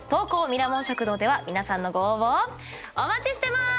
ミラモン食堂」では皆さんのご応募をお待ちしてます！